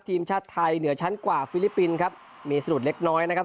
ทีมชาติไทยเหนือชั้นกว่าฟิลิปปินส์ครับมีสะดุดเล็กน้อยนะครับ